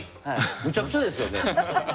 むちゃくちゃですよね。